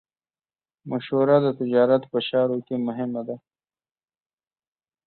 مشوره د تجارت په چارو کې مهمه ده.